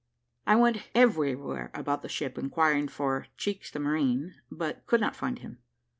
] I went everywhere about the ship, inquiring for Cheeks the marine, but could not find him.